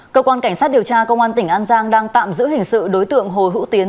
cơ quan cảnh sát điều tra công an tỉnh an giang đang tạm giữ hình sự đối tượng hồ hữu tiến